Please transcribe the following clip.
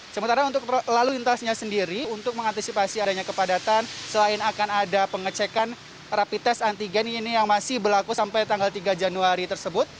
sementara untuk lalu lintasnya sendiri untuk mengantisipasi adanya kepadatan selain akan ada pengecekan rapi tes antigen ini yang masih berlaku sampai tanggal tiga januari tersebut